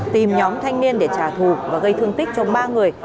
tìm nhóm thanh niên để trả thù và gây thương tích cho ba người